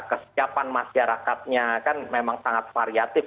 kesiapan masyarakatnya kan memang sangat variatif